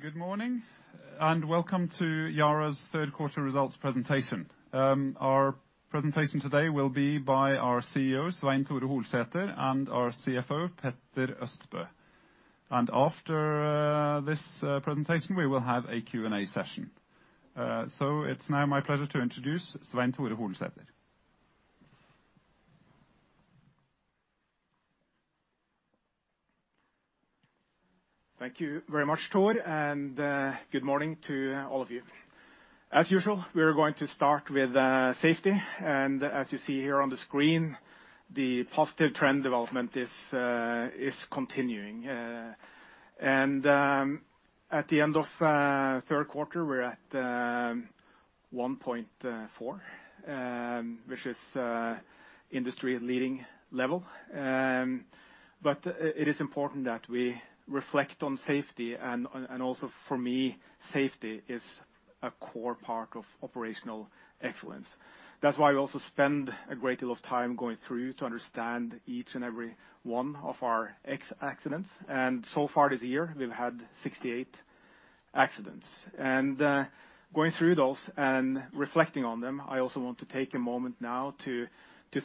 Good morning and welcome to Yara's third quarter results presentation. Our presentation today will be by our CEO, Svein Tore Holsether, and our CFO, Petter Østbø. After this presentation, we will have a Q&A session. It's now my pleasure to introduce Svein Tore Holsether. Thank you very much, Thor, and good morning to all of you. As usual, we are going to start with safety, and as you see here on the screen, the positive trend development is continuing. At the end of third quarter, we're at 1.4, which is industry-leading level. It is important that we reflect on safety and also for me, safety is a core part of operational excellence. That's why we also spend a great deal of time going through to understand each and every one of our accidents. So far this year, we've had 68 accidents. Going through those and reflecting on them, I also want to take a moment now to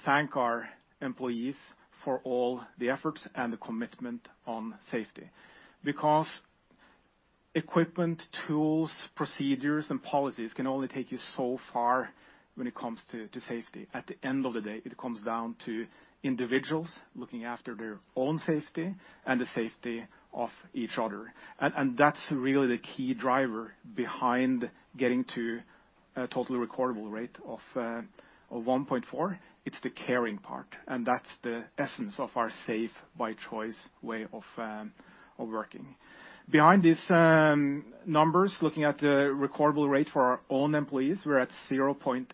thank our employees for all the efforts and the commitment on safety. Because equipment, tools, procedures, and policies can only take you so far when it comes to safety. At the end of the day, it comes down to individuals looking after their own safety and the safety of each other. That's really the key driver behind getting to a total recordable rate of 1.4. It's the caring part, and that's the essence of our Safe by Choice way of working. Behind these numbers, looking at the recordable rate for our own employees, we're at 0.8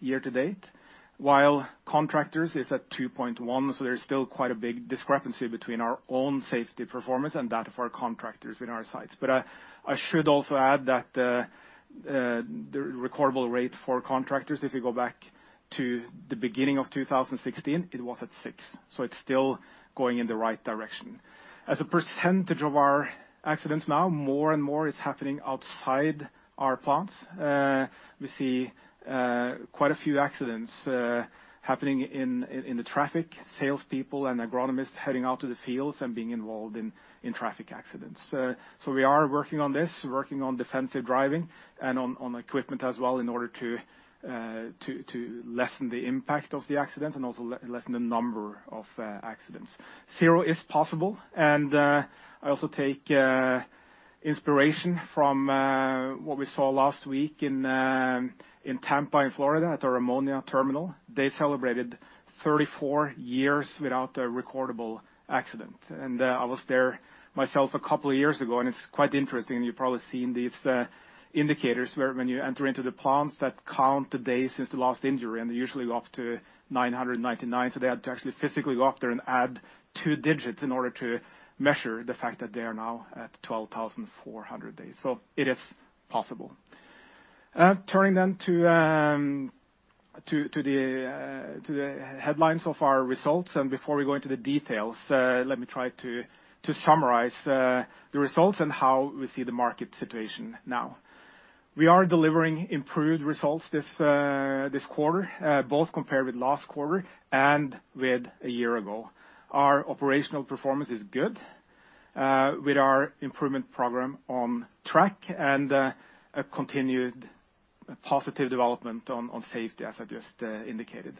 year to date, while contractors is at 2.1. There's still quite a big discrepancy between our own safety performance and that of our contractors in our sites. I should also add that the recordable rate for contractors, if you go back to the beginning of 2016, it was at six, so it's still going in the right direction. As a percentage of our accidents now, more and more is happening outside our plants. We see quite a few accidents happening in the traffic. Salespeople and agronomists heading out to the fields and being involved in traffic accidents. We are working on this, working on defensive driving and on equipment as well in order to lessen the impact of the accidents and also lessen the number of accidents. Zero is possible, and I also take inspiration from what we saw last week in Tampa, in Florida at our ammonia terminal. They celebrated 34 years without a recordable accident. I was there myself a couple of years ago, and it's quite interesting. You've probably seen these indicators where when you enter into the plants that count the days since the last injury, and they usually go up to 999, so they had to actually physically go out there and add two digits in order to measure the fact that they are now at 12,400 days. It is possible. Turning to the headlines of our results. Before we go into the details, let me try to summarize the results and how we see the market situation now. We are delivering improved results this quarter, both compared with last quarter and with a year ago. Our operational performance is good, with our Yara Improvement Program on track and a continued positive development on safety, as I just indicated.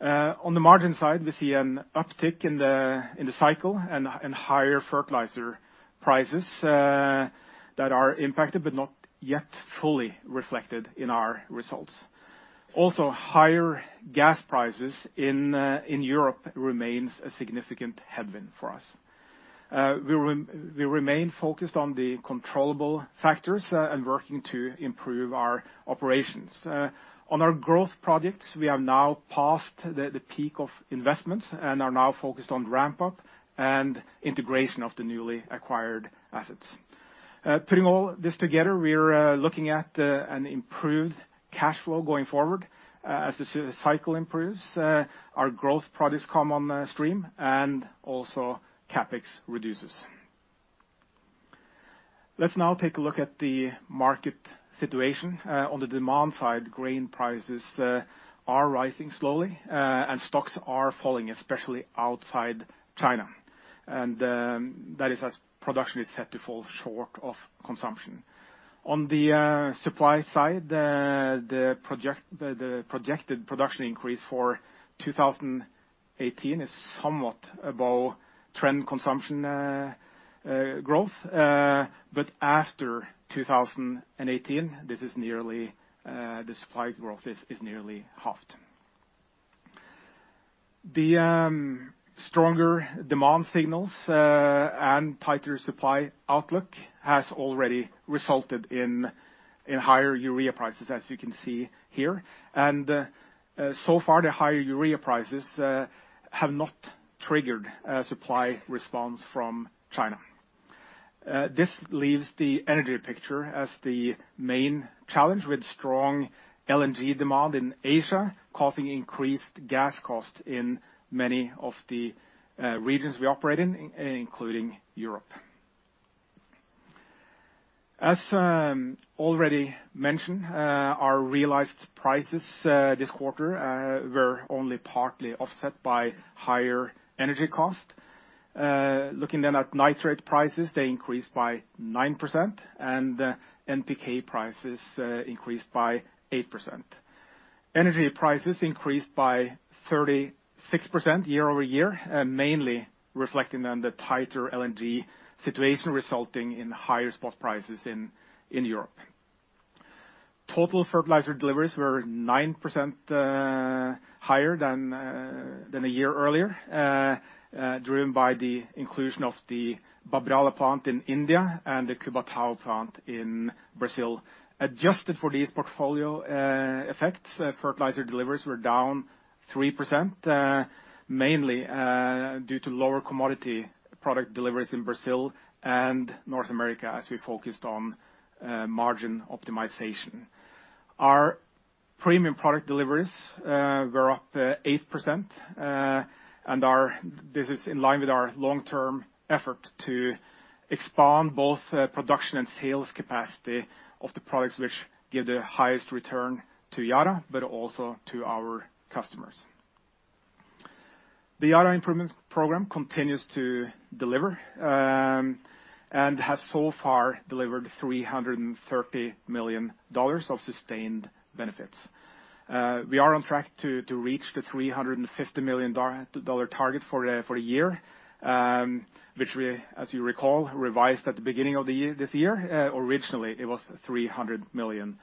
On the margin side, we see an uptick in the cycle and higher fertilizer prices, that are impacted, but not yet fully reflected in our results. Also, higher gas prices in Europe remains a significant headwind for us. We remain focused on the controllable factors and working to improve our operations. On our growth projects, we are now past the peak of investments and are now focused on ramp up and integration of the newly acquired assets. Putting all this together, we're looking at an improved cash flow going forward as the cycle improves, our growth products come on stream, and also CapEx reduces. Let's now take a look at the market situation. On the demand side, grain prices are rising slowly, and stocks are falling, especially outside China. That is as production is set to fall short of consumption. On the supply side, the projected production increase for 2018 is somewhat above trend consumption growth. After 2018, the supply growth is nearly halved. The stronger demand signals and tighter supply outlook has already resulted in higher urea prices, as you can see here. So far, the higher urea prices have not triggered a supply response from China. This leaves the energy picture as the main challenge, with strong LNG demand in Asia causing increased gas cost in many of the regions we operate in, including Europe. As already mentioned, our realized prices this quarter were only partly offset by higher energy cost. Looking then at nitrate prices, they increased by 9%, and NPK prices increased by 8%. Energy prices increased by 36% year-over-year, mainly reflecting on the tighter LNG situation, resulting in higher spot prices in Europe. Total fertilizer deliveries were 9% higher than a year earlier, driven by the inclusion of the Babrala plant in India and the Cubatão plant in Brazil. Adjusted for these portfolio effects, fertilizer deliveries were down 3%, mainly due to lower commodity product deliveries in Brazil and North America, as we focused on margin optimization. Our premium product deliveries were up 8%, and this is in line with our long-term effort to expand both production and sales capacity of the products which give the highest return to Yara, but also to our customers. The Yara Improvement Program continues to deliver and has so far delivered $330 million of sustained benefits. We are on track to reach the $350 million target for the year, which we, as you recall, revised at the beginning of this year. Originally, it was $300 million.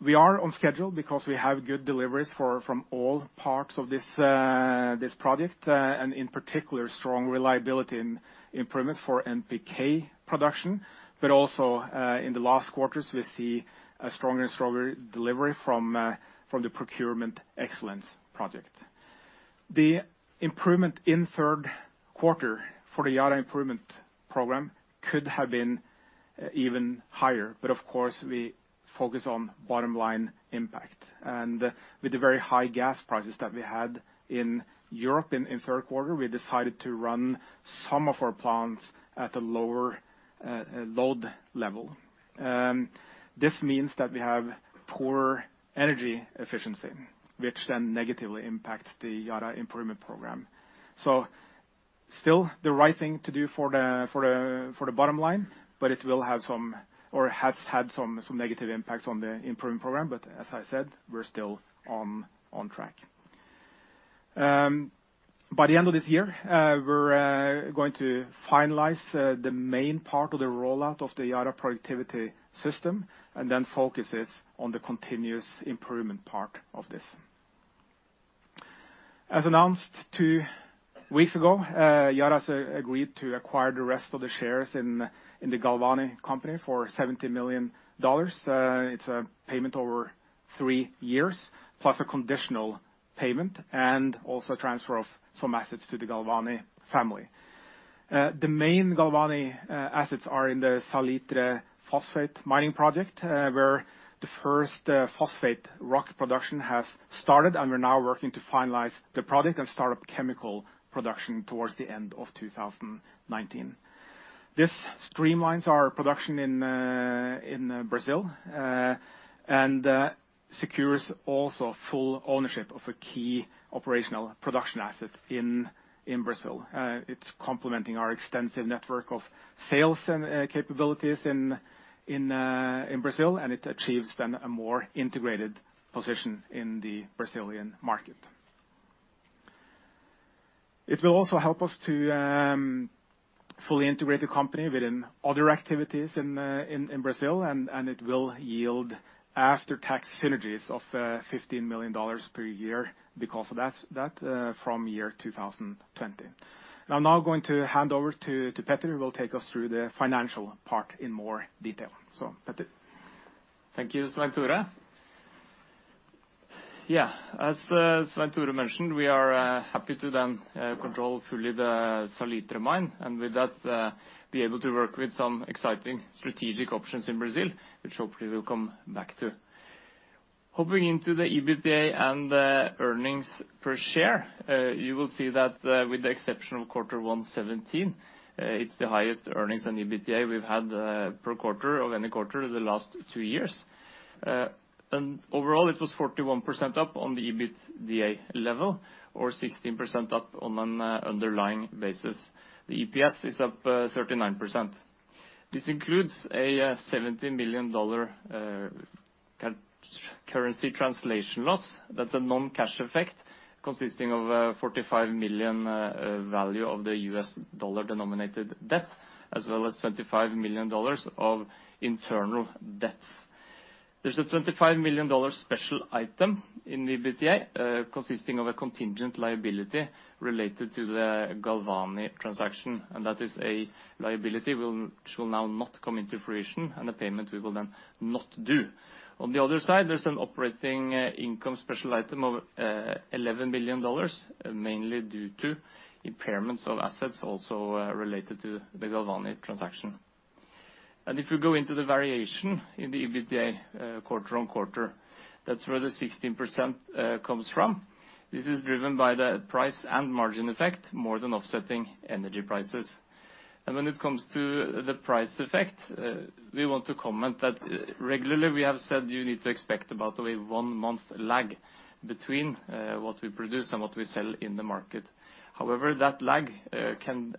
We are on schedule because we have good deliveries from all parts of this project, and in particular, strong reliability improvements for NPK production. Also in the last quarters, we see a stronger delivery from the procurement excellence project. The improvement in the third quarter for the Yara Improvement Program could have been even higher. Of course, we focus on bottom-line impact. With the very high gas prices that we had in Europe in the third quarter, we decided to run some of our plants at a lower load level. This means that we have poorer energy efficiency, which then negatively impacts the Yara Improvement Program. Still the right thing to do for the bottom line, but it has had some negative impacts on the improvement program. As I said, we're still on track. By the end of this year, we're going to finalize the main part of the rollout of the Yara Productivity System and then focus on the continuous improvement part of this. As announced 2 weeks ago, Yara has agreed to acquire the rest of the shares in the Galvani company for NOK 70 million. It's a payment over 3 years, plus a conditional payment and also transfer of some assets to the Galvani family. The main Galvani assets are in the Salitre phosphate mining project, where the first phosphate rock production has started, and we're now working to finalize the project and start up chemical production towards the end of 2019. This streamlines our production in Brazil and secures also full ownership of a key operational production asset in Brazil. It's complementing our extensive network of sales capabilities in Brazil, and it achieves then a more integrated position in the Brazilian market. It will also help us to fully integrate the company within other activities in Brazil, and it will yield after-tax synergies of NOK 15 million per year because of that from the year 2020. I'm now going to hand over to Petter, who will take us through the financial part in more detail. Petter. Thank you, Svein Tore. As Svein Tore mentioned, we are happy to then control fully the Salitre mine and with that, be able to work with some exciting strategic options in Brazil, which hopefully we'll come back to. Hopping into the EBITDA and earnings per share, you will see that with the exception of Q1 2017, it's the highest earnings in EBITDA we've had per quarter of any quarter in the last 2 years. Overall, it was 41% up on the EBITDA level or 16% up on an underlying basis. The EPS is up 39%. This includes a NOK 70 million currency translation loss. That's a non-cash effect consisting of a $45 million value of the US dollar-denominated debt, as well as NOK 25 million of internal debts. There's a NOK 25 million special item in the EBITDA, consisting of a contingent liability related to the Galvani transaction. That is a liability which will now not come into fruition, and a payment we will then not do. On the other side, there's an operating income special item of NOK 11 million, mainly due to impairments of assets also related to the Galvani transaction. If we go into the variation in the EBITDA quarter-on-quarter, that's where the 16% comes from. This is driven by the price and margin effect, more than offsetting energy prices. When it comes to the price effect, we want to comment that regularly we have said you need to expect about a one-month lag between what we produce and what we sell in the market. However, that lag can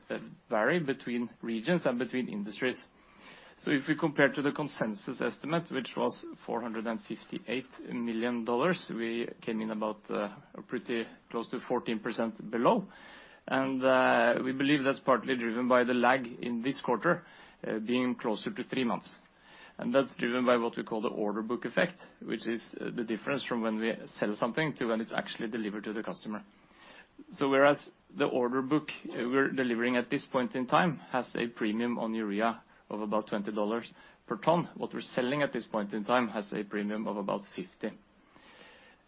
vary between regions and between industries. If we compare to the consensus estimate, which was NOK 458 million, we came in about pretty close to 14% below. We believe that's partly driven by the lag in this quarter being closer to three months. That's driven by what we call the order book effect, which is the difference from when we sell something to when it's actually delivered to the customer. Whereas the order book we're delivering at this point in time has a premium on urea of about NOK 20 per ton, what we're selling at this point in time has a premium of about 50.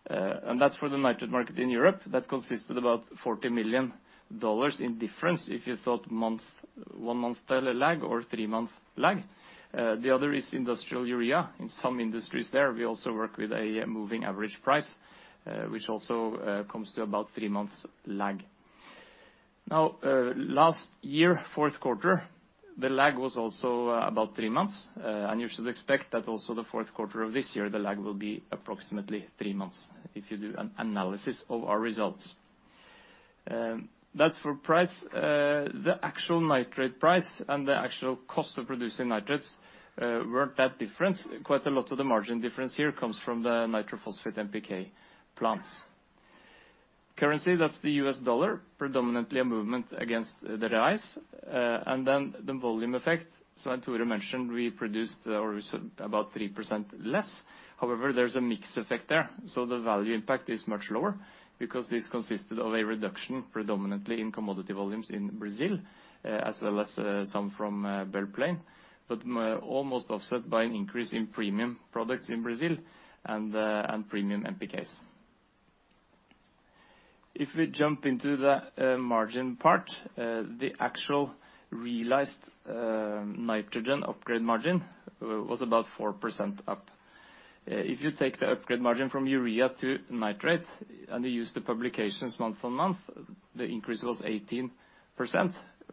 That's for the nitrate market in Europe. That consisted about NOK 40 million in difference if you thought one-month lag or three-month lag. The other is industrial urea. In some industries there, we also work with a moving average price, which also comes to about three-months lag. Last year, fourth quarter, the lag was also about three months. You should expect that also the fourth quarter of this year, the lag will be approximately three months if you do an analysis of our results. That's for price. The actual nitrate price and the actual cost of producing nitrates weren't that different. Quite a lot of the margin difference here comes from the nitrophosphate NPK plants. Currency, that's the US dollar, predominantly a movement against the rise. Then the volume effect. As Tore mentioned, we produced about 3% less. However, there's a mix effect there. The value impact is much lower because this consisted of a reduction predominantly in commodity volumes in Brazil, as well as some from Belle Plaine, but almost offset by an increase in premium products in Brazil and premium NPKs. If we jump into the margin part, the actual realized nitrogen upgrade margin was about 4% up. If you take the upgrade margin from urea to nitrate and you use the publications month-on-month, the increase was 18%,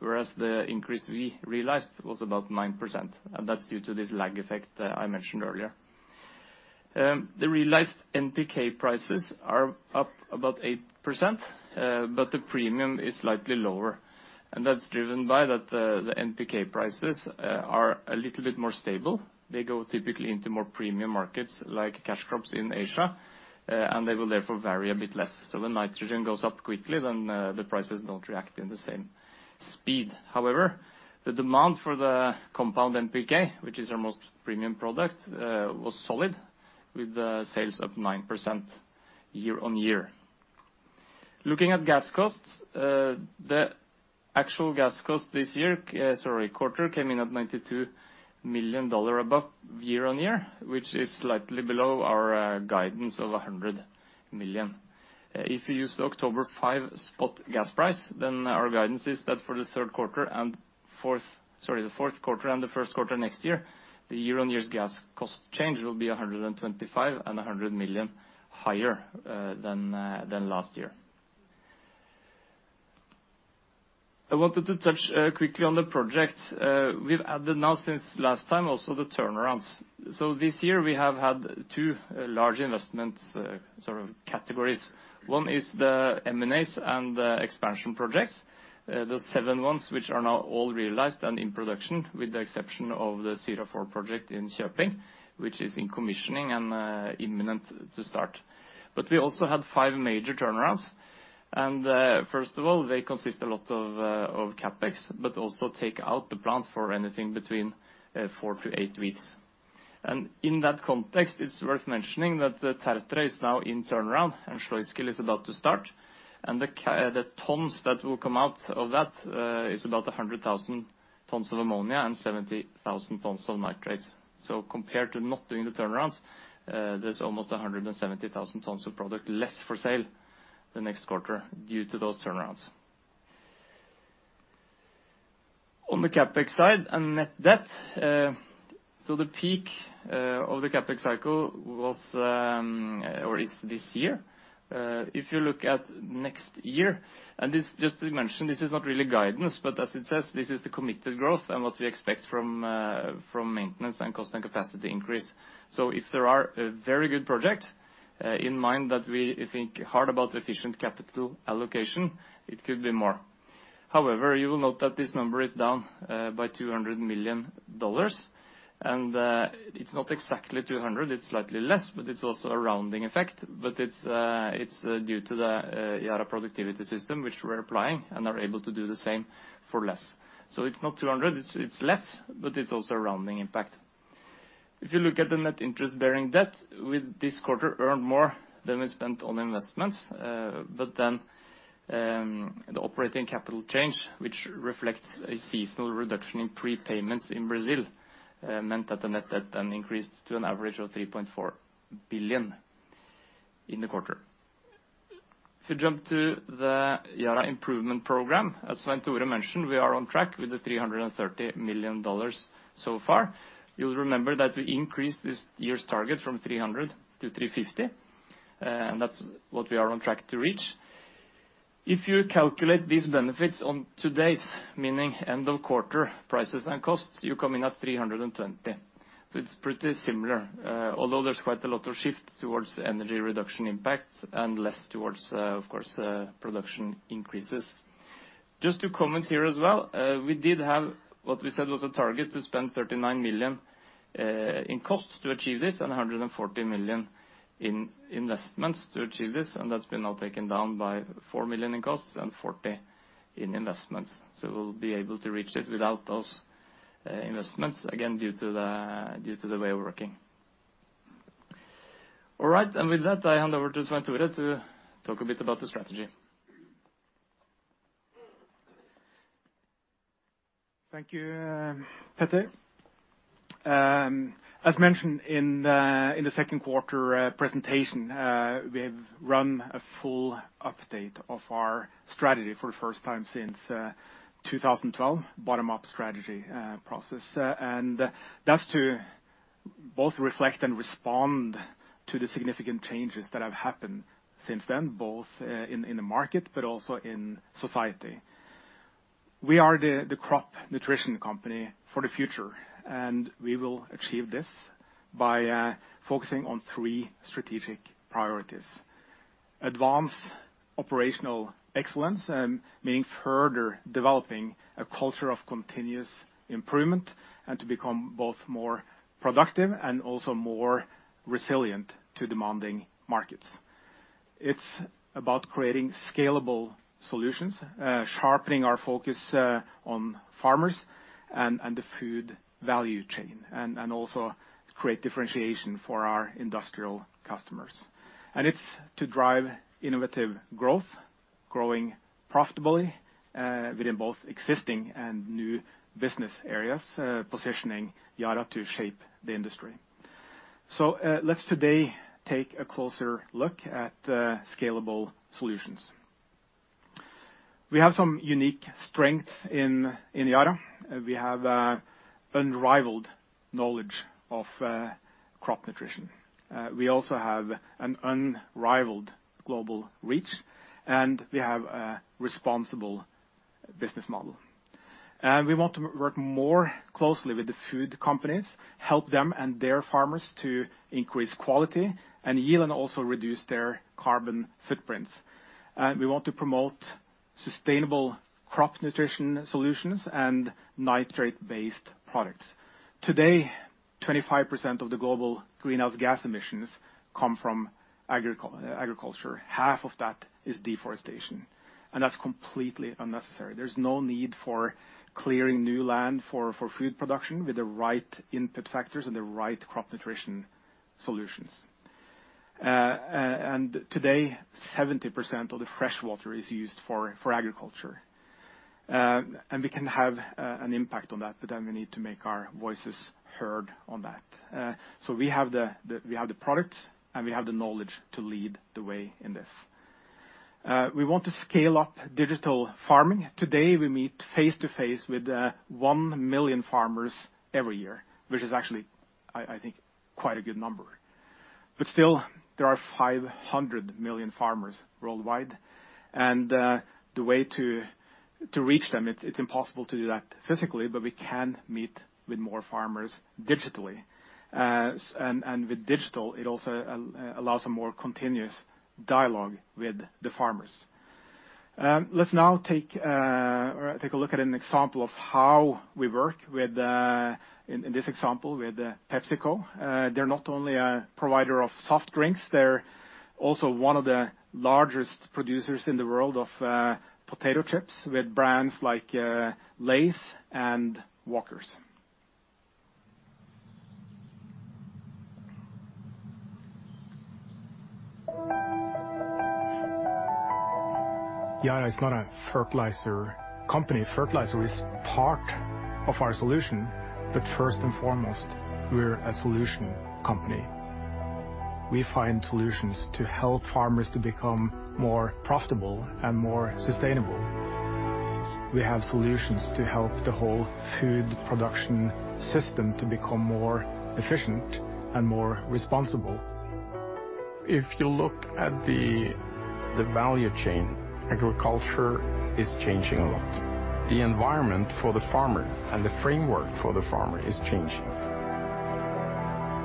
whereas the increase we realized was about 9%. That's due to this lag effect I mentioned earlier. The realized NPK prices are up about 8%, but the premium is slightly lower, and that's driven by that the NPK prices are a little bit more stable. They go typically into more premium markets, like cash crops in Asia, and they will therefore vary a bit less. When nitrogen goes up quickly, then the prices don't react in the same speed. However, the demand for the compound NPK, which is our most premium product, was solid, with the sales up 9% year-on-year. Looking at gas costs, the actual gas cost this quarter came in at NOK 92 million above year-on-year, which is slightly below our guidance of 100 million. If you use the October 5 spot gas price, our guidance is that for the fourth quarter and the first quarter next year, the year-on-year gas cost change will be 125 million and 100 million higher than last year. I wanted to touch quickly on the project. We've added now since last time also the turnarounds. This year we have had two large investments, sort of categories. One is the M&As and the expansion projects. Those seven ones, which are now all realized and in production, with the exception of the SIRA 4 project in Köping, which is in commissioning and imminent to start. We also had five major turnarounds. First of all, they consist a lot of CapEx, but also take out the plant for anything between four to eight weeks. In that context, it's worth mentioning that the Tertre is now in turnaround, and Sluiskil is about to start. The tons that will come out of that is about 100,000 tons of ammonia and 70,000 tons of nitrate. Compared to not doing the turnarounds, there's almost 170,000 tons of product left for sale the next quarter due to those turnarounds. On the CapEx side and net debt. The peak of the CapEx cycle was, or is this year. If you look at next year, just to mention, this is not really guidance, but as it says, this is the committed growth and what we expect from maintenance and cost and capacity increase. However, you will note that this number is down by NOK 200 million. It's not exactly 200, it's slightly less, but it's also a rounding effect. It's due to the Yara Productivity System, which we're applying and are able to do the same for less. It's not 200, it's less, but it's also a rounding impact. If you look at the net interest-bearing debt with this quarter, earned more than we spent on investments. The operating capital change, which reflects a seasonal reduction in prepayments in Brazil, meant that the net debt then increased to an average of 3.4 billion in the quarter. If you jump to the Yara Improvement Program, as Svein Tore mentioned, we are on track with the NOK 330 million so far. You'll remember that we increased this year's target from 300 million to 350 million. That's what we are on track to reach. If you calculate these benefits on today's, meaning end of quarter prices and costs, you're coming at 320 million. It's pretty similar, although there's quite a lot of shift towards energy reduction impact and less towards, of course, production increases. Just to comment here as well, we did have what we said was a target to spend 39 million in cost to achieve this and 140 million in investments to achieve this, and that's been now taken down by 4 million in costs and 40 in investments. We'll be able to reach it without those investments, again, due to the way of working. All right. With that, I hand over to Svein Tore to talk a bit about the strategy. Thank you, Petter. As mentioned in the second quarter presentation, we have run a full update of our strategy for the first time since 2012, bottom-up strategy process. That's to both reflect and respond to the significant changes that have happened since then, both in the market, but also in society. We are the crop nutrition company for the future, and we will achieve this by focusing on three strategic priorities. Advance Operational Excellence, meaning further developing a culture of continuous improvement and to become both more productive and also more resilient to demanding markets. It's about creating Scalable Solutions, sharpening our focus on farmers and the food value chain, and also to create differentiation for our industrial customers. It's to drive Innovative Growth, growing profitably, within both existing and new business areas, positioning Yara to shape the industry. Let's today take a closer look at Scalable Solutions. We have some unique strengths in Yara. We have unrivaled knowledge of crop nutrition. We also have an unrivaled global reach, and we have a responsible business model. We want to work more closely with the food companies, help them and their farmers to increase quality and yield, and also reduce their carbon footprints. We want to promote sustainable crop nutrition solutions and nitrate-based products. Today, 25% of the global greenhouse gas emissions come from agriculture. Half of that is deforestation, and that's completely unnecessary. There's no need for clearing new land for food production with the right input factors and the right crop nutrition solutions. Today, 70% of the fresh water is used for agriculture. We can have an impact on that, but then we need to make our voices heard on that. We have the products and we have the knowledge to lead the way in this. We want to scale up digital farming. Today, we meet face-to-face with 1 million farmers every year, which is actually, I think, quite a good number. Still, there are 500 million farmers worldwide, and the way to reach them, it's impossible to do that physically, but we can meet with more farmers digitally. With digital, it also allows a more continuous dialogue with the farmers. Let's now take a look at an example of how we work with, in this example, with PepsiCo. They're not only a provider of soft drinks, they're also one of the largest producers in the world of potato chips with brands like Lay's and Walkers. Yara is not a fertilizer company. Fertilizer is part of our solution, but first and foremost, we're a solution company. We find solutions to help farmers to become more profitable and more sustainable. We have solutions to help the whole food production system to become more efficient and more responsible. If you look at the value chain, agriculture is changing a lot. The environment for the farmer and the framework for the farmer is changing.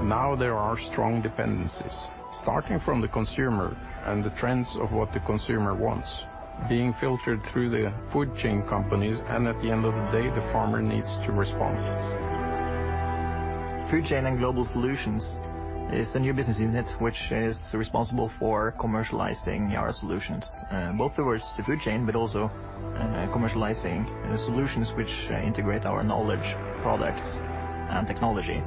Now there are strong dependencies, starting from the consumer and the trends of what the consumer wants, being filtered through the food chain companies, and at the end of the day, the farmer needs to respond. Food Chain and Global Solutions is a new business unit which is responsible for commercializing Yara solutions, both towards the food chain but also commercializing solutions which integrate our knowledge, products, and technology.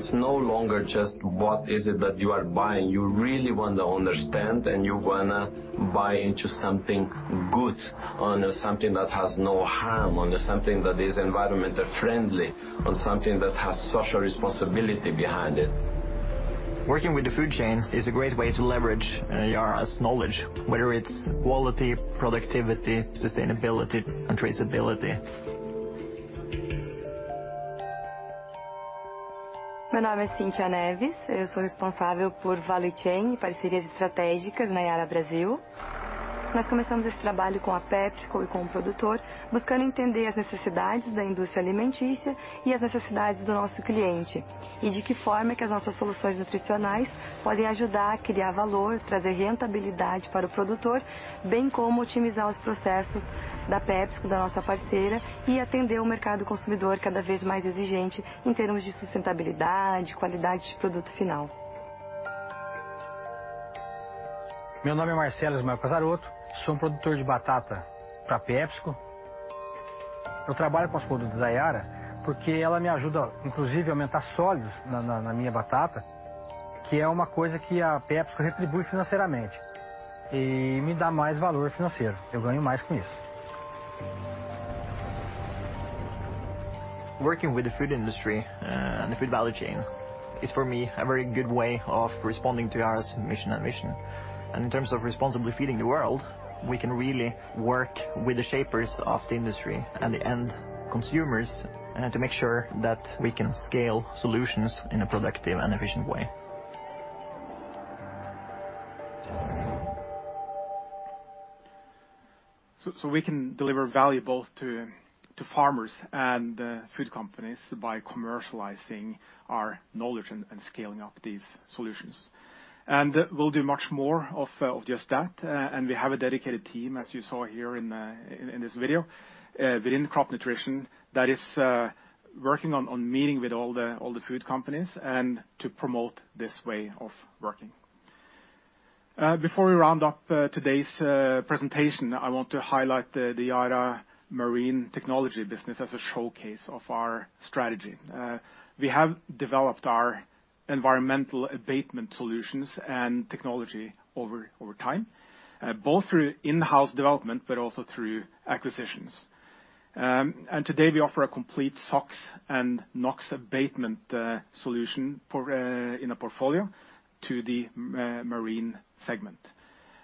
It's no longer just what is it that you are buying. You really want to understand, and you want to buy into something good or something that has no harm, or something that is environmentally friendly, or something that has social responsibility behind it. Working with the food chain is a great way to leverage Yara's knowledge, whether it's quality, productivity, sustainability, and traceability. My name is Cíntia Neves. I am responsible for value chain and strategic partnerships at Yara Brasil. We started this work with PepsiCo and with the producer, seeking to understand the needs of the food industry and the needs of our customer, how our nutritional solutions can help create value, bring profitability to the producer, as well as optimize the PepsiCo processes, our partner, and meet the increasingly demanding consumer market in terms of sustainability, and quality of the end product. My name is Marcelo Ismael Pozzaro. I am a potato producer for PepsiCo. I work with Yara products because they help me, including increasing solids in my potatoes, which is something PepsiCo rebates financially and gives me more financial value. I earn more with it. Working with the food industry and the food value chain is, for me, a very good way of responding to Yara's mission and vision. In terms of responsibly feeding the world, we can really work with the shapers of the industry and the end consumers, to make sure that we can scale solutions in a productive and efficient way. We can deliver value both to farmers and food companies by commercializing our knowledge and scaling up these solutions. We'll do much more of just that. We have a dedicated team, as you saw here in this video, within crop nutrition that is working on meeting with all the food companies, and to promote this way of working. Before we round up today's presentation, I want to highlight the Yara Marine Technologies business as a showcase of our strategy. We have developed our environmental abatement solutions and technology over time, both through in-house development but also through acquisitions. Today we offer a complete SOx and NOx abatement solution in a portfolio to the marine segment.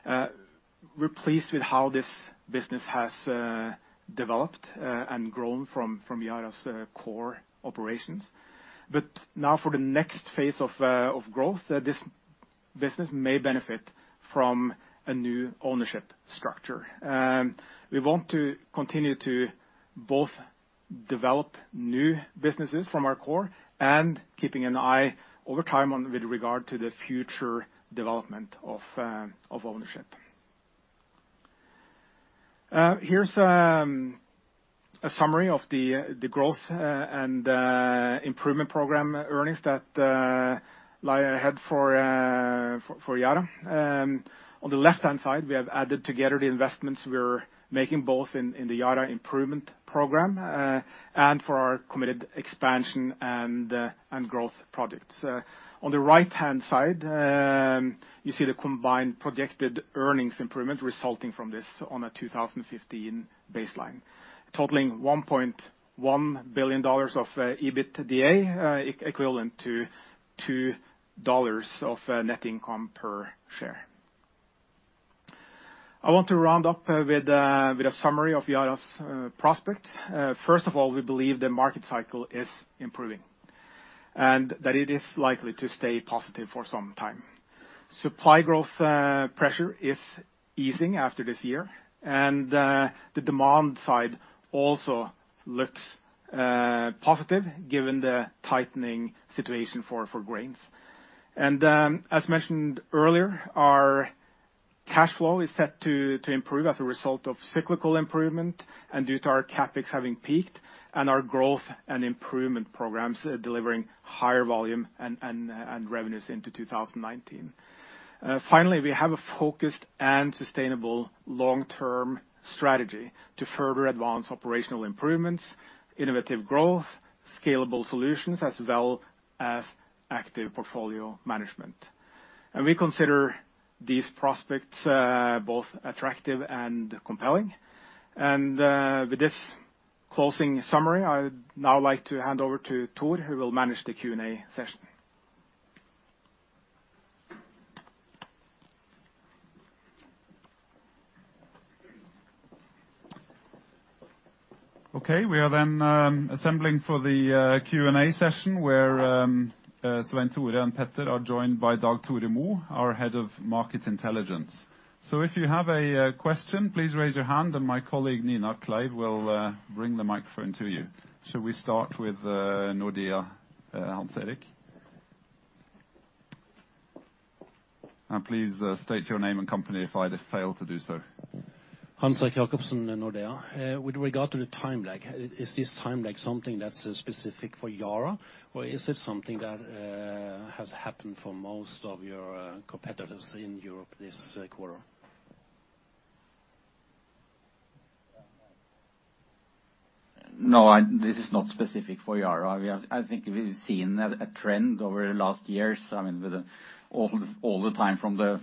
We're pleased with how this business has developed and grown from Yara's core operations. Now for the next phase of growth, this business may benefit from a new ownership structure. We want to continue to both develop new businesses from our core and keeping an eye over time with regard to the future development of ownership. Here is a summary of the growth and improvement program earnings that lie ahead for Yara. On the left-hand side, we have added together the investments we are making both in the Yara Improvement Program and for our committed expansion and growth projects. On the right-hand side, you see the combined projected earnings improvement resulting from this on a 2015 baseline, totaling NOK 1.1 billion of EBITDA, equivalent to NOK 2 of net income per share. I want to round up with a summary of Yara's prospects. First of all, we believe the market cycle is improving, that it is likely to stay positive for some time. Supply growth pressure is easing after this year, the demand side also looks positive given the tightening situation for grains. As mentioned earlier, our cash flow is set to improve as a result of cyclical improvement and due to our CapEx having peaked and our growth and improvement programs delivering higher volume and revenues into 2019. Finally, we have a focused and sustainable long-term strategy to further advance operational improvements, innovative growth, scalable solutions, as well as active portfolio management. We consider these prospects both attractive and compelling. With this closing summary, I would now like to hand over to Thor, who will manage the Q&A session. Okay, we are then assembling for the Q&A session where Svein Tore and Petter are joined by Dag Tore Mo, our Head of Market Intelligence. If you have a question, please raise your hand and my colleague, Nina Kleiv, will bring the microphone to you. Should we start with Nordea, Hans-Erik? Please state your name and company if I fail to do so. Hans-Erik Jacobsen, Nordea. With regard to the time lag, is this time lag something that is specific for Yara, or is it something that has happened for most of your competitors in Europe this quarter? No, this is not specific for Yara. I think we've seen a trend over the last years, with all the time from the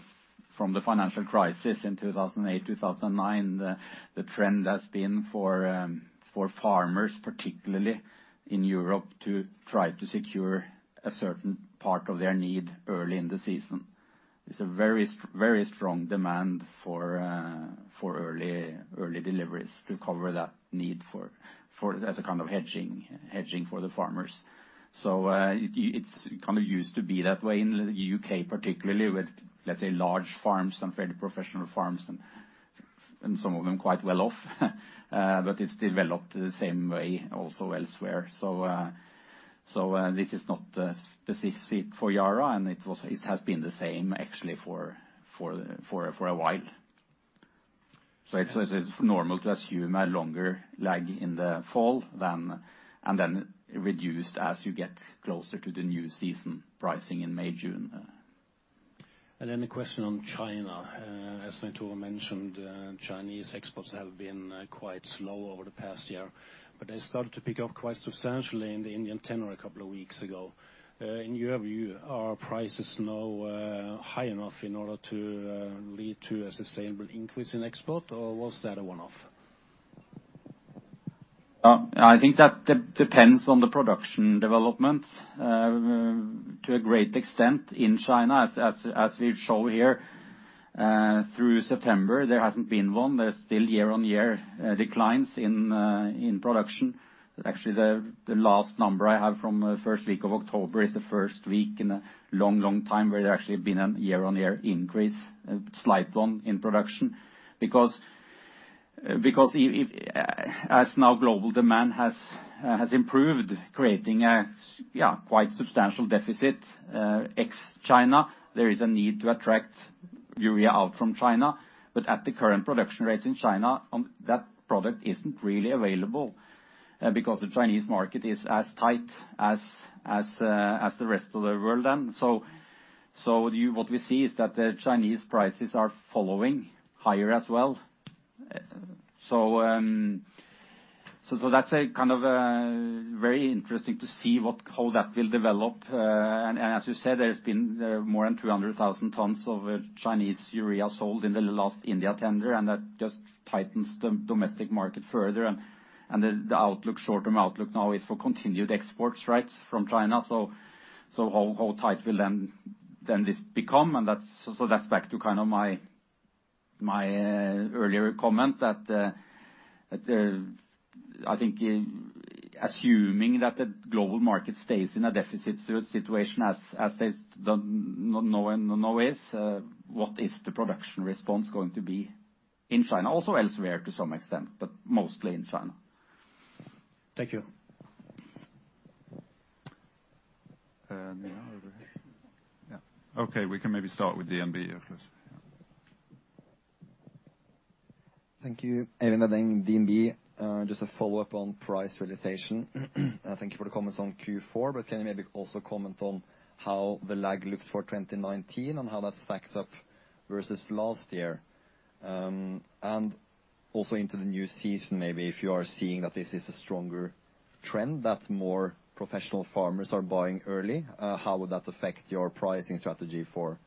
The financial crisis in 2008, 2009, the trend has been for farmers, particularly in Europe, to try to secure a certain part of their need early in the season. It's a very strong demand for early deliveries to cover that need as a kind of hedging for the farmers. It used to be that way in the U.K., particularly with, let's say, large farms, some fairly professional farms, and some of them quite well off. It's developed the same way also elsewhere. This is not specific for Yara and it has been the same actually for a while. It's normal to assume a longer lag in the fall and then reduced as you get closer to the new season pricing in May, June. A question on China. As mentioned, Chinese exports have been quite slow over the past year, they started to pick up quite substantially in the Indian tender a couple of weeks ago. In your view, are prices now high enough in order to lead to a sustainable increase in export, or was that a one-off? I think that depends on the production development to a great extent in China, as we show here, through September, there hasn't been one. There's still year-on-year declines in production. Actually, the last number I have from the first week of October is the first week in a long time where there actually has been a year-on-year increase, a slight one in production. As now global demand has improved, creating a quite substantial deficit ex-China, there is a need to attract urea out from China. At the current production rates in China, that product isn't really available because the Chinese market is as tight as the rest of the world. What we see is that the Chinese prices are following higher as well. That's very interesting to see how that will develop. As you said, there has been more than 300,000 tons of Chinese urea sold in the last India tender, and that just tightens the domestic market further. The short-term outlook now is for continued export rights from China, how tight will then this become? That's back to my earlier comment that I think assuming that the global market stays in a deficit situation as they know always, what is the production response going to be in China? Also elsewhere to some extent, but mostly in China. Thank you. Over here. Yeah. Okay, we can maybe start with DNB, yeah. Thank you. Eivind DNB. Just a follow-up on price realization. Thank you for the comments on Q4, can you maybe also comment on how the lag looks for 2019 and how that stacks up versus last year? Also into the new season, maybe if you are seeing that this is a stronger trend, that more professional farmers are buying early, how would that affect your pricing strategy for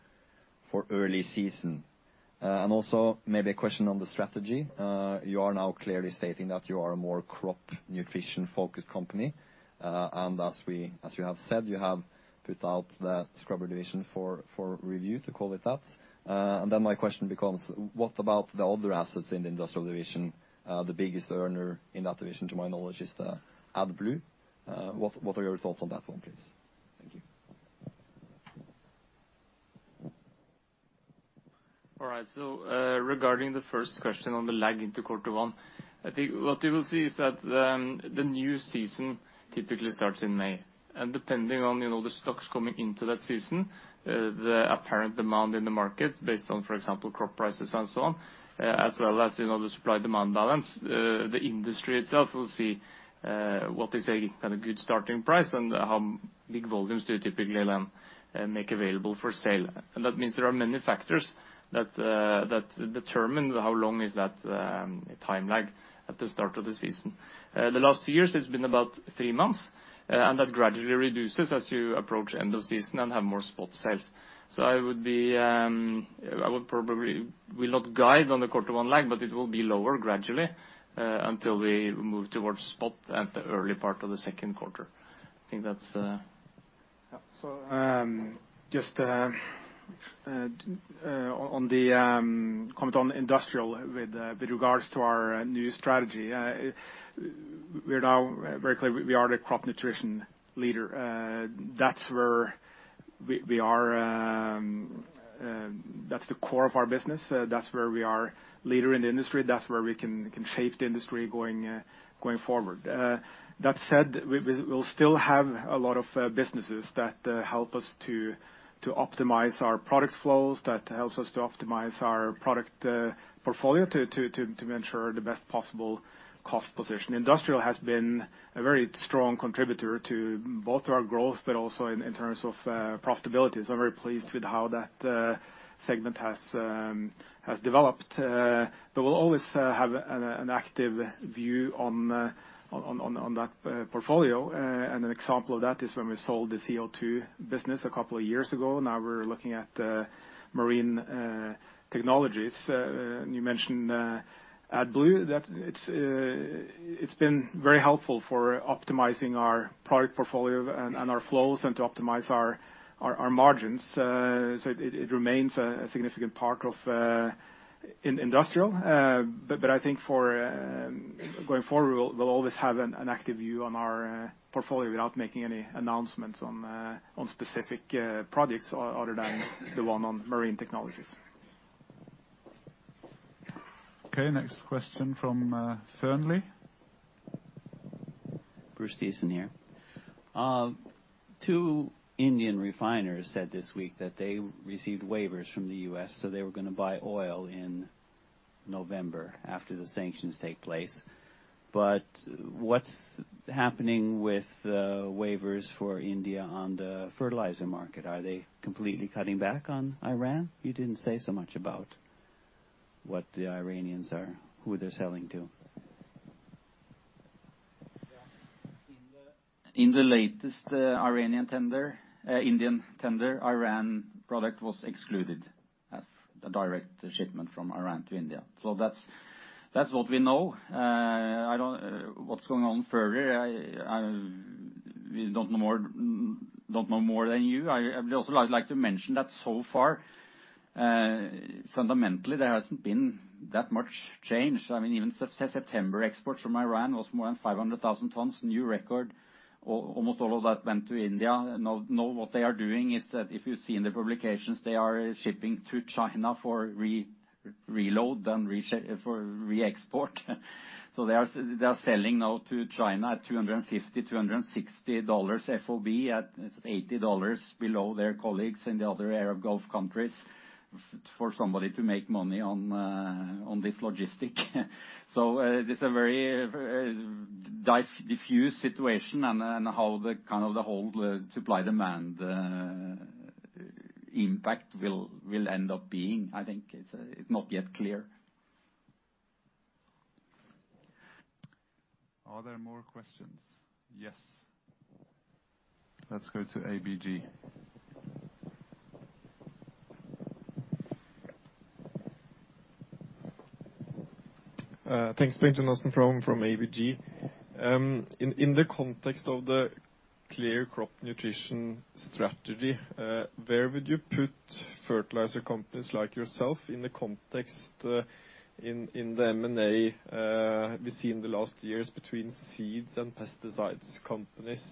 early season? Also maybe a question on the strategy. You are now clearly stating that you are a more crop nutrition-focused company. As you have said, you have put out the scrubber division for review, to call it that. My question becomes, what about the other assets in the industrial division? The biggest earner in that division, to my knowledge, is AdBlue. What are your thoughts on that one, please? Thank you. All right. Regarding the first question on the lag into quarter one, I think what you will see is that the new season typically starts in May. Depending on the stocks coming into that season, the apparent demand in the market based on, for example, crop prices and so on, as well as the supply-demand balance, the industry itself will see what is a kind of good starting price and how big volumes do you typically then make available for sale. That means there are many factors that determine how long is that time lag at the start of the season. The last years, it's been about three months, and that gradually reduces as you approach end of season and have more spot sales. I would probably will not guide on the quarter one lag, but it will be lower gradually until we move towards spot at the early part of the second quarter. Just to comment on Industrial with regards to our new strategy. We are now very clear we are the crop nutrition leader. That's the core of our business. That's where we are leader in the industry. That's where we can shape the industry going forward. That said, we'll still have a lot of businesses that help us to optimize our product flows, that helps us to optimize our product portfolio to ensure the best possible cost position. Industrial has been a very strong contributor to both our growth but also in terms of profitability. I'm very pleased with how that segment has Has developed. We'll always have an active view on that portfolio. An example of that is when we sold the CO2 business a couple of years ago. Now we're looking at marine technologies. You mentioned AdBlue, it's been very helpful for optimizing our product portfolio and our flows and to optimize our margins. It remains a significant part in Industrial. I think going forward, we'll always have an active view on our portfolio without making any announcements on specific projects other than the one on marine technologies. Okay, next question from Fearnley. Bruce Thiessen here. Two Indian refiners said this week that they received waivers from the U.S., they were going to buy oil in November after the sanctions take place. What's happening with waivers for India on the fertilizer market? Are they completely cutting back on Iran? You didn't say so much about what the Iranians are, who they're selling to. Yeah. In the latest Indian tender, Iran product was excluded as a direct shipment from Iran to India. That's what we know. What's going on further, we don't know more than you. I would also like to mention that so far, fundamentally, there hasn't been that much change. Even since September, export from Iran was more than 500,000 tons, new record, almost all of that went to India. What they are doing is that if you see in the publications, they are shipping to China for reload than for re-export. They are selling now to China at NOK 250, NOK 260 FOB at NOK 80 below their colleagues in the other Arab Gulf countries, for somebody to make money on this logistic. It is a very diffuse situation and how the whole supply-demand impact will end up being, I think it's not yet clear. Are there more questions? Yes. Let's go to ABG. Thanks. Bengt Jonassen from ABG. In the context of the clear crop nutrition strategy, where would you put fertilizer companies like yourself in the context in the M&A we see in the last years between seeds and pesticides companies,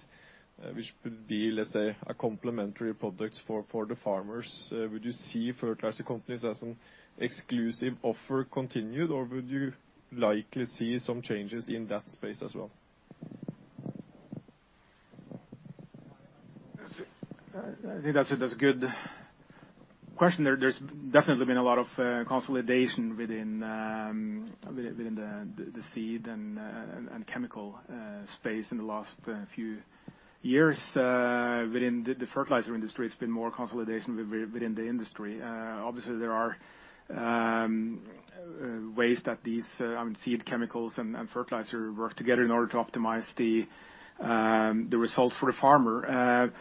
which would be, let's say, a complementary product for the farmers. Would you see fertilizer companies as an exclusive offer continued or would you likely see some changes in that space as well? I think that's a good question. There's definitely been a lot of consolidation within the seed and chemical space in the last few years. Within the fertilizer industry, it's been more consolidation within the industry. Obviously there are ways that these seed chemicals and fertilizer work together in order to optimize the results for the farmer.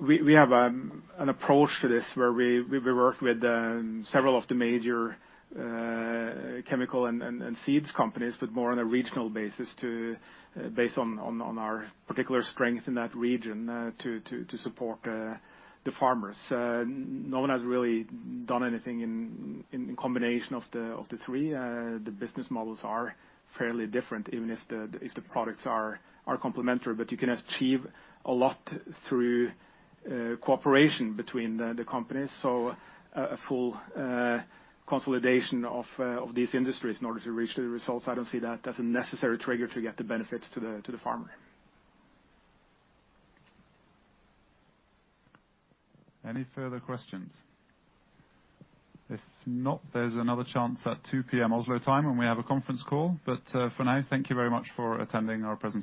We have an approach to this where we work with several of the major chemical and seeds companies, but more on a regional basis based on our particular strength in that region to support the farmers. No one has really done anything in combination of the three. The business models are fairly different, even if the products are complementary. You can achieve a lot through cooperation between the companies. A full consolidation of these industries in order to reach the results, I don't see that as a necessary trigger to get the benefits to the farmer. Any further questions? If not, there's another chance at 2:00 P.M. Oslo time when we have a conference call. For now, thank you very much for attending our presentation.